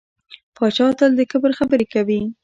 پاچا تل د کبر خبرې کوي .